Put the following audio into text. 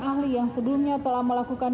ahli yang sebelumnya telah melakukan